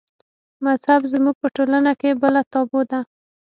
مذهب زموږ په ټولنه کې بله تابو ده.